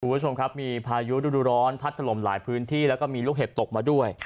คุณผู้ชมครับมีพายุดูร้อนพัดถล่มหลายพื้นที่แล้วก็มีลูกเห็บตกมาด้วย